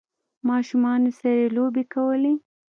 ماشومانو سره یی لوبې کولې